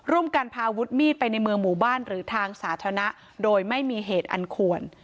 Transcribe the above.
การพาวุฒิมีดไปในเมืองหมู่บ้านหรือทางสาธารณะโดยไม่มีเหตุอันควร